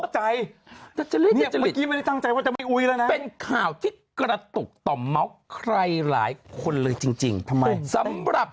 ไทยที่นี่เป็นค่าวที่กระตุกต่อเมาท์ใครหลายคนเลยจริงทำไมสำหรับ